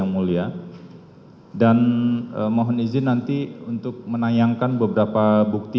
mohon izin nanti untuk menayangkan beberapa bukti